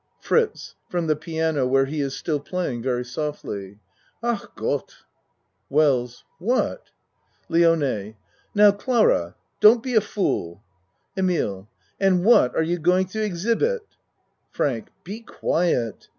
FRITZ (From the piano where he is still playing very softly.) Ach gott! WELLS What? LIONE Now, Clara, don't be a fool. EMILE And what are you going to exhibit? FRANK Be quiet.